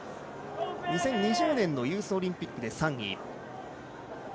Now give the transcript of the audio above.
２０２０年のユースオリンピックで３位。